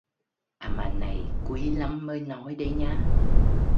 À mà này quý lắm mới nói đấy nhá